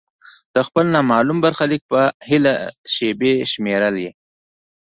د خپل نامعلوم برخلیک په هیله یې شیبې شمیرلې.